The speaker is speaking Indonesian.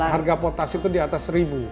harga potas itu di atas seribu